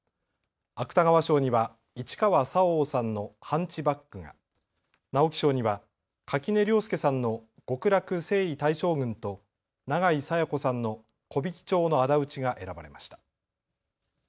芥川賞には市川沙央さんのハンチバックが、直木賞には垣根涼介さんの極楽征夷大将軍と永井紗耶子さんの木挽町のあだ討ちが選ばれました。